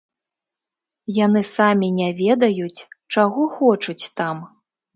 Яны самі не ведаюць, чаго хочуць там.